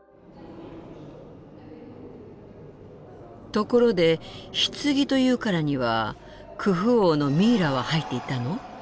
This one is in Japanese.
ところで棺と言うからにはクフ王のミイラは入っていたの？